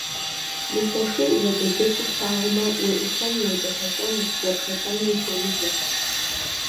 Мыщэ шыр зэдэджэгуу плъагъумэ, уеӀусэну, уедэхащӀэу зэпшэлӀэну ухуемыжьэ.